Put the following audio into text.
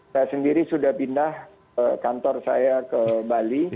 saya sendiri sudah pindah kantor saya ke bali